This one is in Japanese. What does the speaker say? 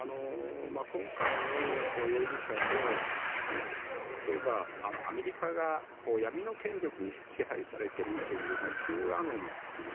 今回の容疑者も例えば、アメリカが闇の権力に支配されているというＱアノンという